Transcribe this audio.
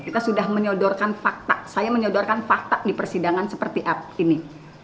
kita sudah menyodorkan fakta saya menyodorkan fakta di persidangan seperti apa ini